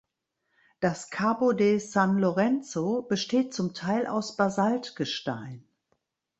Das Cabo de San Lorenzo besteht zum Teil aus Basaltgestein.